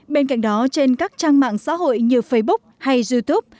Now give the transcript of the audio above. bên cạnh đó trên các trang mạng xã hội như facebook hay youtube